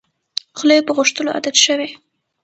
خوله یې په غوښتلو عادت شوې.